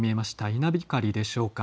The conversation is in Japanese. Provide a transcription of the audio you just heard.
稲光でしょうか。